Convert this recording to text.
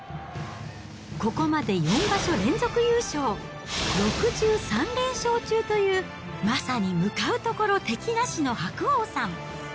ここまで４場所連続優勝、６３連勝中という、まさに向かうところ敵なしの白鵬さん。